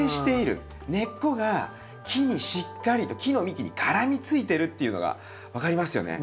根っこが木にしっかりと木の幹に絡みついてるっていうのが分かりますよね。